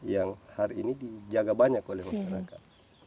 yang hari ini dijaga banyak oleh masyarakat